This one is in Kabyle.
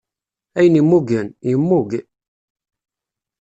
Ayen immugen, yemmug.